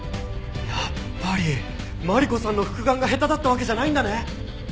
やっぱりマリコさんの復顔が下手だったわけじゃないんだね！